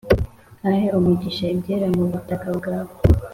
ahe umugisha ibyera mu butaka bwawe,